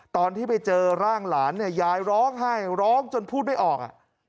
ตอนที่ไปเจอร่างหลานเนี่ยยายร้องไห้ร้องจนพูดไม่ออก